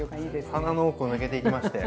鼻の奥を抜けていきましたよ。